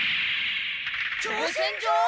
挑戦状！？